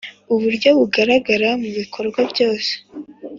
uburyo bugaragara mu bikorwa byose